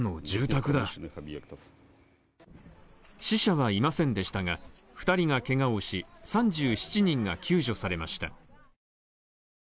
死者はいませんでしたが、２人がけがをし３７人が救助されました。